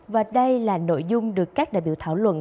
và đây là nội dung được các đại biểu thảo luận